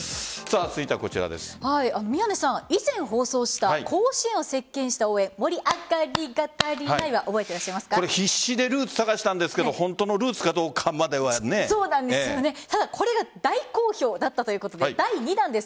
宮根さん、以前放送した甲子園を席巻した応援「盛り上がりが足りない」は必死でルーツ探したんですがただ、これが大好評だったということで第２弾です。